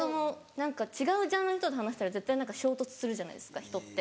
違うジャンルの人と話したら絶対衝突するじゃないですか人って。